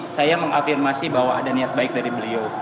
saya mengafirmasi bahwa ada niat baik dari beliau